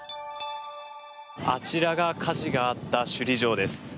あちらが火事があった首里城です。